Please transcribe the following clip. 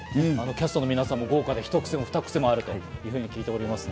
キャストの皆さんも豪華で、ひと癖もふた癖もあると聞いております。